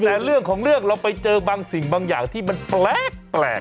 แต่เรื่องของเรื่องเราไปเจอบางสิ่งบางอย่างที่มันแปลก